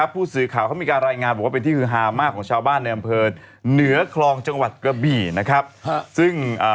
ผู้สึกข่าวเขามีการรายงานบอกว่าเป็นที่คือ